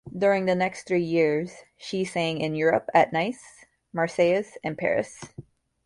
During the next three years, she sang in Europe at Nice, Marseilles, and Paris.